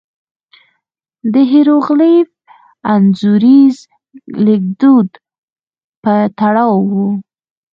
د هېروغلیف انځوریز لیکدود په تړاو وو.